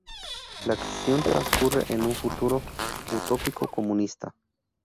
La acción transcurre en un futuro utópico comunista.